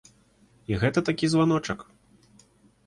І гэта такі званочак.